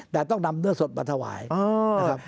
แต่ต้องนำเนื้อสดมาถวายนะครับ